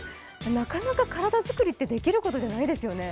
なかなか体作りって、できることじゃないですよね。